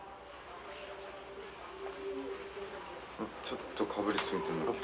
ちょっとかぶり過ぎてる。